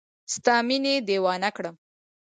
ستا مینې دیوانه کړم